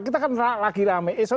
kita kan lagi rame